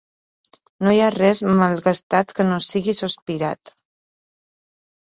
No hi ha res malgastat que no sigui sospirat.